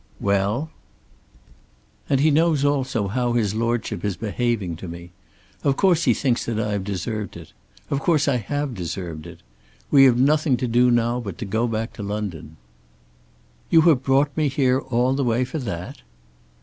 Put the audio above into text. "Well!" "And he knows also how his lordship is behaving to me. Of course he thinks that I have deserved it. Of course I have deserved it. We have nothing to do now but to go back to London." "You have brought me here all the way for that."